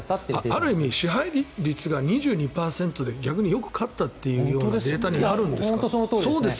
ある意味支配率が２２％でよく勝ったというデータになるんですかね。